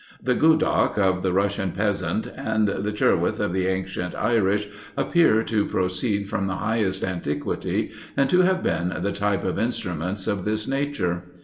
The Goudock of the Russian peasant, and the Crwth of the ancient Irish, appear to proceed from the highest antiquity, and to have been the type of instruments of this nature.